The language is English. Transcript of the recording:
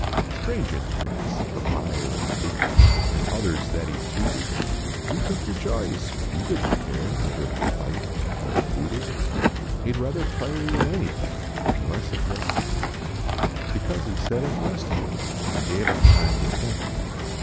Strange instruments the lyre and lute And others that he tooted. You took your choice. He didn t care Whether he fifed or Muted. He d rather play an anvthing. Unless it was to drink, Because he said it rested ini An gave im time to think.